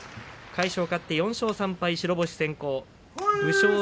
魁勝、勝って４勝３敗白星先行です。